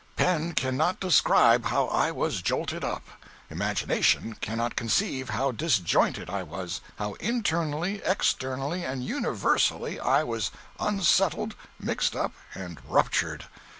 Pen cannot describe how I was jolted up. Imagination cannot conceive how disjointed I was—how internally, externally and universally I was unsettled, mixed up and ruptured.